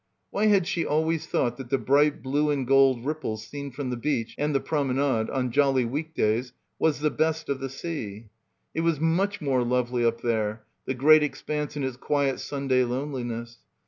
Why had she always thought that the bright blue and gold ripples seen from the beach and the promenade on jolly weekdays was the best of the sea? It was much more lovely up there, the great expanse in its quiet Sunday loneliness.